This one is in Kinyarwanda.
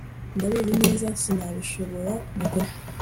ndabizi neza sinabishobora nukuri